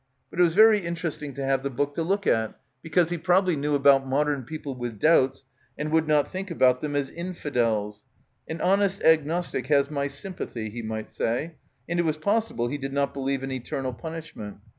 Rut it was very interesting to have the book to look at, because he probably knew about modern people with doubts and would not think about them as 'infidels' — 'an honest agnostic has my sympathy,' he might say, and it was pos sible he did not believe in eternal punishment.